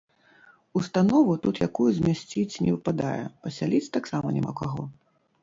Установу тут якую змясціць не выпадае, пасяліць таксама няма каго.